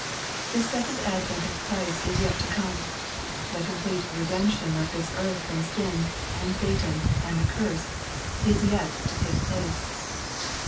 The second advent of Christ is yet to come. The complete " re demption'' of this earth from sin, and Satan, and the curse, is yet to take place.